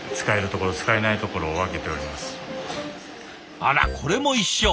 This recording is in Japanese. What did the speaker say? あらこれも一緒。